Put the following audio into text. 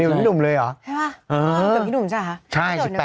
อยู่เป็นต้นหนุ่มเลยหรอ